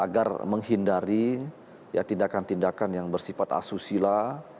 agar menghindari tindakan tindakan yang bersifat asusila